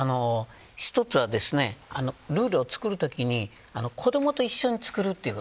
１つはルールを作るときに子どもと一緒に作るということ。